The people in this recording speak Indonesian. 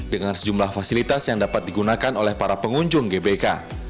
dengan sejumlah fasilitas yang dapat digunakan oleh para pengunjung gbk